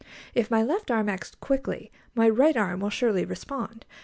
If my left arm acts quickly, my right arm will surely respond.